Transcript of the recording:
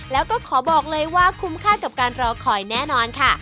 แล้วก็ขอบอกเลยว่าคุ้มค่ากับการรอคอยแน่นอนค่ะ